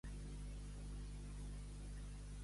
Un any més que antany, com la mula del rector.